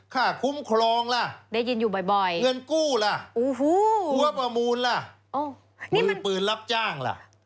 ค่าคุ้มครองล่ะเงินกู้ล่ะหัวประมูลล่ะมือปืนรับจ้างล่ะ